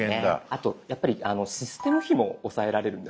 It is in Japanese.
あとやっぱりシステム費も抑えられるんですね。